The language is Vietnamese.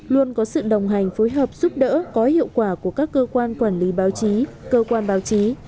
luôn có sự đồng hành phối hợp giúp đỡ có hiệu quả của các cơ quan quản lý báo chí cơ quan báo chí